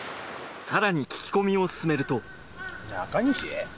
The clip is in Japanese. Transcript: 更に聞き込みを進めると中西？